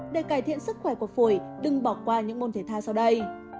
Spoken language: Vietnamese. để cải thiện sức khỏe của phổi đừng bỏ qua những môn thể thao sau đây